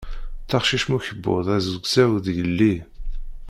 Taqcict mm ukebbuḍ azegzaw d yelli.